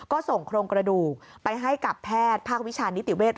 ก็ส่งโครงกระดูกไปให้กับแพทย์ภาควิชานิติเวช